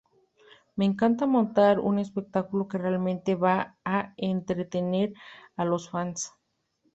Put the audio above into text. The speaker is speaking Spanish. Me encanta montar un espectáculo que realmente va a entretener a los "fans".